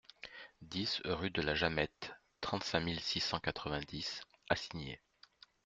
dix rue de la Jamette, trente-cinq mille six cent quatre-vingt-dix Acigné